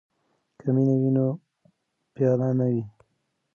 که مینه وي نو پیاله نه وي.